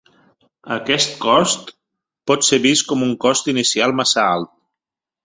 Aquest cost pot ser vist com un cost inicial massa alt.